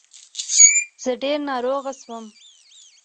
زه ډير ناروغه شوم